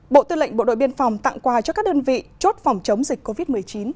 bộ tư lệnh bộ đội biên phòng tặng quà cho các đơn vị chốt phòng chống dịch covid một mươi chín